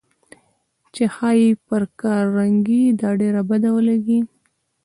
چې ښايي پر کارنګي دا ډېره بده ولګېږي.